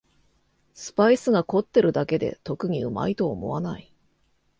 スパイスが凝ってるだけで特にうまいと思わない